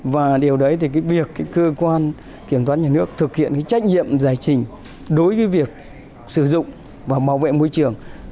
và điều đấy thì cái việc cơ quan kiểm toán nhà nước thực hiện cái trách nhiệm giải trình đối với việc sử dụng và bảo vệ môi trường